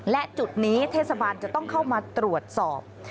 และจุดนี้เทศบาลจะต้องเข้ามาตรวจสอบ